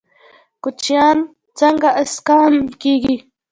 کوچیان څنګه اسکان کیږي؟